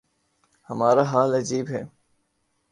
ہمارا حال عجیب ہے۔